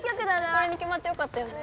これに決まってよかったよね。ね！